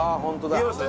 見えます？